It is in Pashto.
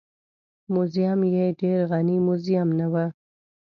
موزیم یې ډېر غني موزیم نه و.